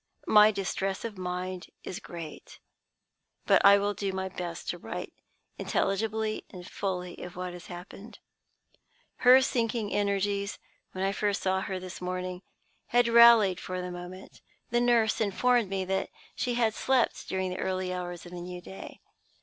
My distress of mind is great. But I will do my best to write intelligibly and fully of what has happened. "Her sinking energies, when I first saw her this morning, had rallied for the moment. The nurse informed me that she had slept during the early hours of the new day.